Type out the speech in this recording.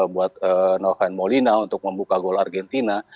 buat noven molina untuk membuka gol argentina